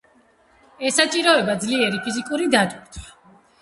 ესაჭიროება ძლიერი ფიზიკური დატვირთვა.